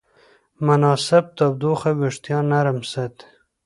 مناسب تودوخه وېښتيان نرم ساتي.